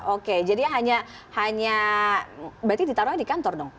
oke jadi hanya berarti ditaruh di kantor dong